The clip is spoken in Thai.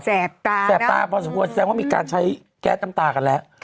แสบตานะแสบตาเพราะสมมุติแสดงว่ามีการใช้แก๊สน้ำตากันแล้ว